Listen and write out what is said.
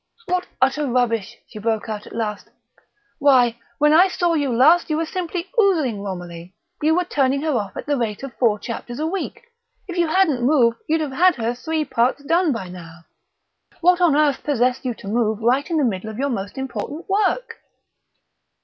"What utter rubbish!" she broke out at last. "Why, when I saw you last you were simply oozing Romilly; you were turning her off at the rate of four chapters a week; if you hadn't moved you'd have had her three parts done by now. What on earth possessed you to move right in the middle of your most important work?"